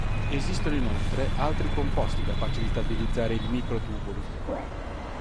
Esistono inoltre altri composti capaci di stabilizzare i microtubuli.